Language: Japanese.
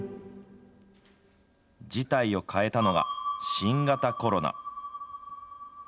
事態を変えたのが、新型コロナ。